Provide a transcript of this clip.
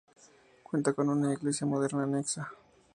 Cuenta con una iglesia moderna anexa.